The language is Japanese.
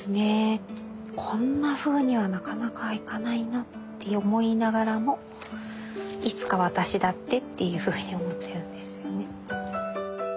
こんなふうにはなかなかいかないなって思いながらもいつか私だってっていうふうに思っているんですよね。